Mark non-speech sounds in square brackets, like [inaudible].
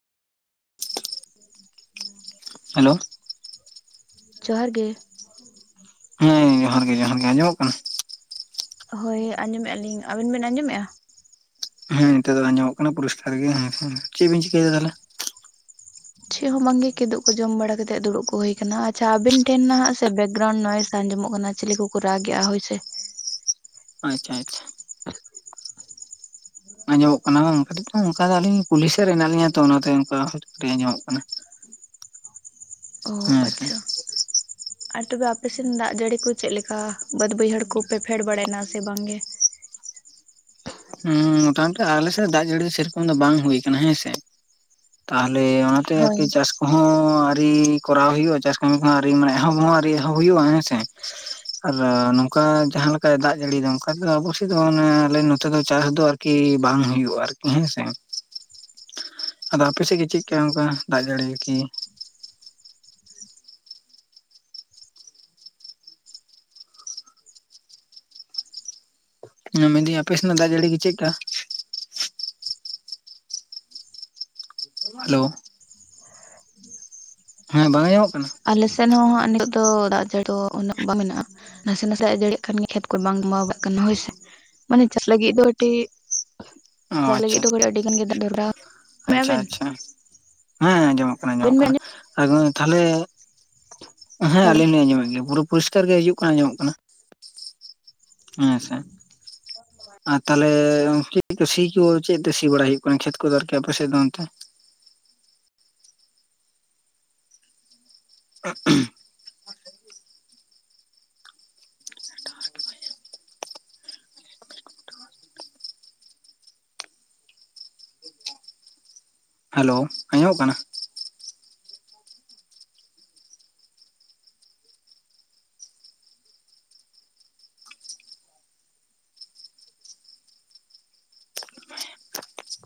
[unintelligible] hello ᱡᱚᱦᱟᱨ ᱜᱮ ᱦᱮᱸ ᱡᱚᱦᱟᱨ ᱜᱮ ᱡᱚᱦᱟᱨ ᱜᱮ ᱟᱸᱡᱚᱢᱚᱜ ᱠᱟᱱᱟ ᱦᱳᱭ ᱟᱸᱡᱚᱢᱮᱜ-ᱟ ᱞᱤᱧ ᱟᱵᱤᱱ ᱵᱤᱱ ᱟᱸᱡᱚᱢᱮᱜ-ᱟ ᱦᱮᱸ ᱱᱤᱛᱚᱜ ᱫᱚ ᱟᱸᱡᱚᱢᱚᱜ ᱠᱟᱱᱟ ᱯᱚᱨᱤᱥᱠᱟᱨ ᱜᱮ ᱦᱮᱸ ᱪᱮᱫ ᱵᱤᱱ ᱪᱤᱠᱟᱹᱭᱮᱫᱟ ᱛᱟᱦᱮᱞᱮ ᱪᱮᱫ ᱦᱚᱸ ᱵᱟᱝᱜᱮ ᱠᱤᱫᱩᱵ ᱠᱚ ᱡᱚᱢ ᱵᱟᱲᱟ ᱠᱟᱛᱮᱫ ᱫᱩᱲᱩᱵ ᱠᱚ ᱦᱩᱭ ᱟᱠᱟᱱᱟ ᱟᱪᱷᱟ ᱟᱵᱤᱱ ᱴᱷᱮᱱ ᱱᱟᱦᱟᱜ ᱥᱮ ᱵᱮᱠᱜᱨᱟᱣᱩᱱᱰ ᱱᱚᱭᱮᱥ ᱟᱡᱚᱢᱚᱜ ᱠᱟᱱᱟ ᱪᱤᱞᱤ ᱠᱚ ᱨᱟᱜᱮᱜ-ᱟ ᱦᱳᱭᱥᱮ ᱟᱪᱪᱷᱟ ᱟᱪᱪᱷᱟ ᱟᱸᱡᱚᱢᱚᱜ ᱠᱟᱱᱟ ᱵᱟᱝ ᱠᱟᱹᱴᱤᱡ ᱚᱱᱠᱟ ᱟᱞᱤᱧ ᱠᱩᱞᱤᱥᱮ ᱦᱮᱱᱟᱜ ᱞᱤᱧᱟ ᱛᱚ ᱚᱱᱟᱛᱮ ᱠᱟᱹᱴᱤᱡ ᱟᱸᱡᱚᱢᱚᱜ ᱠᱟᱱᱟ ᱚ ᱦᱮᱸ ᱥᱮ ᱟᱪᱪᱷᱟ ᱟᱨ ᱛᱚᱵᱮ ᱟᱯᱮᱥᱱ ᱫᱟᱜ ᱡᱟᱹᱲᱤ ᱠᱚ ᱪᱮᱫᱮ ᱞᱮᱠᱟ ᱵᱟᱹᱫ ᱵᱟᱹᱭᱦᱟᱹᱲ ᱠᱚᱯᱮ ᱯᱷᱮᱰ ᱵᱟᱲᱟᱭᱮᱱᱟ ᱥᱮ ᱵᱟᱝᱜᱮ ᱦᱩᱸ ᱢᱚᱴᱟ ᱢᱩᱴᱤ ᱟᱞᱮᱥᱮᱫ ᱫᱟᱜ ᱡᱟᱹᱲᱤ ᱫᱚ ᱥᱮᱨᱚᱠᱚᱢ ᱫᱚ ᱵᱟᱝ ᱦᱩᱭᱩ ᱟᱠᱟᱱᱟ ᱦᱮᱸᱥᱮ ᱛᱟᱦᱚᱞᱮ ᱚᱱᱟᱛᱮ ᱦᱳᱭ ᱟᱯᱮ ᱪᱟᱥ ᱠᱚᱦᱚᱸ ᱟᱹᱣᱨᱤ ᱠᱚᱨᱟᱣ ᱦᱩᱭᱩᱜ-ᱟ ᱪᱟᱥ ᱠᱟᱹᱢᱤ ᱠᱚᱦᱚᱸ ᱟᱹᱣᱨᱤ ᱢᱟᱱᱮ ᱮᱦᱚᱵ ᱦᱚᱸ ᱟᱹᱣᱨᱤ ᱮᱦᱚᱵ ᱦᱩᱭᱩᱜ-ᱟ ᱦᱮᱸᱥᱮ ᱟᱨ ᱱᱚᱝᱠᱟ ᱡᱟᱦᱟᱸ ᱞᱮᱠᱟᱭ ᱫᱟᱜ ᱡᱟᱹᱲᱤᱭ ᱫᱟ ᱚᱱᱠᱟ ᱟᱵᱚᱥᱮᱫ ᱫᱚ ᱢᱟᱱᱮ ᱱᱚᱛᱮ ᱫᱚ ᱪᱟᱥ ᱫᱚ ᱟᱨᱠᱤ ᱵᱟᱝ ᱦᱩᱭᱩᱜ-ᱟ ᱟᱨᱠᱤ ᱦᱮᱸᱥᱮ ᱟᱫᱚ ᱟᱯᱮ ᱥᱮᱫ ᱜᱮ ᱪᱮᱫ ᱠᱟᱜ ᱚᱱᱠᱟ ᱫᱟᱜ ᱡᱟᱹᱲᱤ ᱠᱤ ᱦᱮᱸ ᱢᱮᱱᱫᱟᱹᱧ ᱟᱯᱮ ᱥᱮᱱᱟᱜ ᱫᱟᱜ ᱡᱟᱹᱲᱤ ᱜᱮ ᱪᱮᱫᱠᱟ ᱦᱮᱞᱳ ᱦᱮᱸ ᱵᱟᱝ ᱟᱸᱡᱚᱢᱚᱜ ᱠᱟᱱᱟ ᱟᱞᱮᱥᱮᱱ ᱦᱚᱸ ᱱᱤᱛᱳᱜ ᱫᱚ ᱫᱟᱜ ᱡᱟᱹᱲᱤ ᱩᱱᱟᱹᱜ ᱵᱟᱝ ᱢᱮᱱᱟᱜ-ᱟ ᱱᱟᱥᱮ ᱱᱟᱥᱮ ᱟᱡᱟᱹᱲᱤᱜ ᱠᱷᱟᱱᱜᱮ ᱠᱷᱮᱛ ᱠᱚᱨᱮ ᱵᱟᱝ ᱜᱟᱣᱟᱜ ᱠᱟᱱᱟ ᱦᱳᱭᱥᱮ ᱢᱟᱱᱮ ᱪᱟᱥ ᱞᱟᱹᱜᱤᱫ ᱫᱚ ᱟᱹᱰᱤ ᱚ ᱡᱟᱦᱟᱸ ᱟᱪᱪᱷᱟ ᱞᱟᱹᱜᱤᱫ ᱫᱚ ᱠᱟᱹᱤᱡ ᱟᱹᱰᱤ ᱜᱟᱱ ᱜᱮ ᱫᱟᱜ ᱫᱚ [unintelligible] ᱟᱪᱪᱷᱟ ᱟᱪᱪᱷᱟ ᱦᱮᱸ ᱟᱸᱡᱚᱢᱚᱜ ᱠᱟᱱᱟᱸ ᱧᱟᱢᱚᱜ ᱟᱵᱮᱱ ᱵᱮᱱ ᱠᱟᱱᱟ ᱟᱸᱡᱚᱢ ᱛᱟᱦᱞᱮ ᱦᱮᱸ ᱦᱮᱞᱳ ᱟᱞᱤᱧ ᱞᱧ ᱟᱸᱡᱚᱢᱮᱫ ᱜᱮᱭᱟ ᱯᱩᱨᱟᱹ ᱯᱚᱨᱤᱥᱠᱟᱨ ᱜᱮ ᱦᱤᱡᱩᱜ ᱠᱟᱱᱟ ᱟᱸᱡᱚᱢᱚᱜ ᱠᱟᱱᱟ ᱦᱮᱸ ᱥᱮ ᱟᱨ ᱛᱟᱦᱚᱞᱮ ᱪᱮᱫ ᱠᱚ ᱥᱤ ᱠᱚ ᱪᱮᱫ ᱛᱮ ᱥᱤ ᱵᱟᱲᱟᱭ ᱦᱩᱭᱩᱜ ᱠᱟᱱᱟ ᱠᱷᱮᱛ ᱠᱚᱫᱚ ᱟᱨᱠᱤ ᱟᱯᱮᱥᱮᱫ ᱫᱚ ᱚᱱᱛᱮ [unintelligible] [unintelligible] ᱦᱮᱞᱳ ᱟᱸᱡᱚᱢ ᱠᱟᱱᱟ